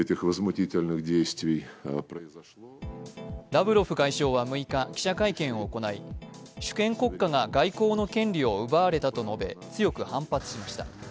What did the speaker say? ラブロフ外相は６日、記者会見を行い主権国家が外交の権利を奪われたと述べ強く反発しました。